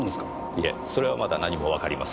いえそれはまだ何もわかりません。